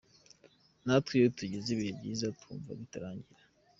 Natwe iyo tugize ibihe byiza twumva bitarangira.